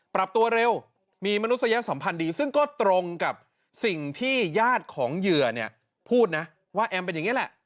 ปรับตัวเร็วมีมนุษยสัมพันธ์ดีซึ่งก็ตรงกับสิ่งที่ญาติของเหยื่อเนี่ยพูดนะว่าแอมเป็นอย่างนี้แหละ